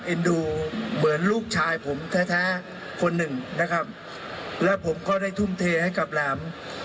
ดูเหมือนลูกชายผมแท้แท้คนหนึ่งนะครับและผมก็ได้ทุ่มเทให้กับแหลม